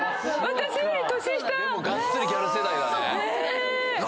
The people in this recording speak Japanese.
がっつりギャル世代だね。